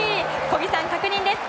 小木さん、確認です。